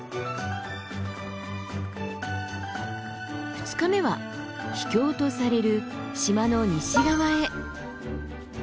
２日目は秘境とされる島の西側へ。